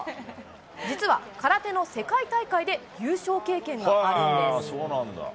実は空手の世界大会で優勝経験があるんです。